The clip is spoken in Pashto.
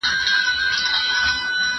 زه هره ورځ زده کړه کوم!!